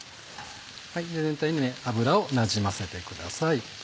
全体に油をなじませてください。